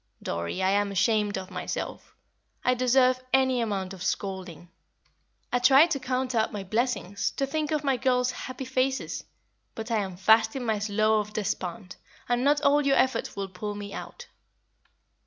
"Dorrie, I am ashamed of myself. I deserve any amount of scolding. I try to count up my blessings, to think of my girls' happy faces, but I am fast in my Slough of Despond, and not all your efforts will pull me out."